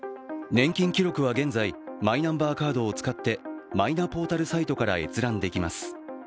年金記録は現在、マイナンバーカードを使ってマイナポータルサイトから閲覧できます。